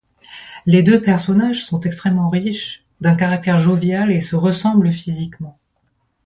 Les deux personnages sont extrêmement riches, d'un caractère jovial et se ressemblent physiquement.